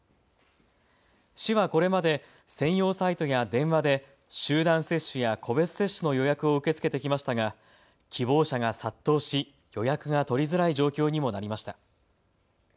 市はこれまで専用サイトや電話で集団接種や個別接種の予約を受け付けてきましたが希望者が殺到し、予約が取りづらい状況にもなりました。